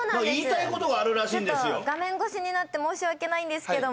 画面越しになって申し訳ないんですけども。